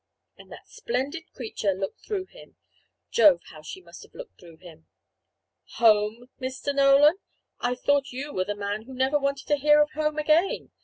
And that splendid creature looked through him. Jove! how she must have looked through him! "Home!! Mr. Nolan!!! I thought you were the man who never wanted to hear of home again!"